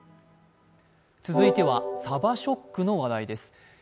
続いては、さばショックの話題です。